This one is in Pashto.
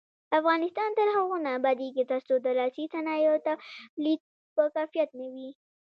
افغانستان تر هغو نه ابادیږي، ترڅو د لاسي صنایعو تولید په کیفیت نه وي.